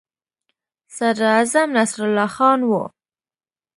صدراعظم نصرالله خان وو.